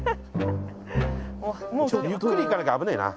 ゆっくり行かなきゃ危ねえな。